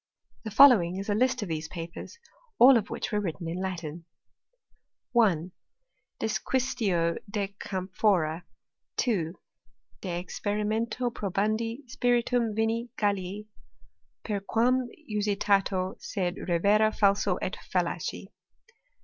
The following is a list of these papers, all of which were written in Latin : 1 . Disquisitio de camphora. 2. De experimento probandi spiritum vini Gallici, per quam usitato, sed revera falso et fallaci.